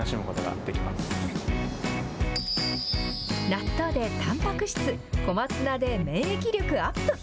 納豆でたんぱく質、小松菜で免疫力アップ。